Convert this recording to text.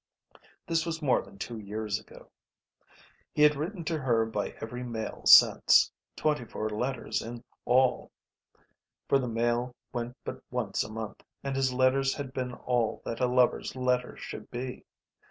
This was more than two years ago. He had written to her by every mail since then, twenty four letters in all, for the mail went but once a month, and his letters had been all that a lover's letters should be.